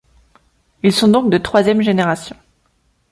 Ils sont donc de troisième Génération.